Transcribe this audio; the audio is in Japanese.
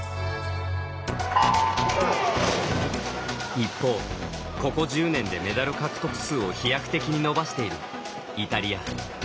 一方、ここ１０年でメダル獲得数を飛躍的に伸ばしているイタリア。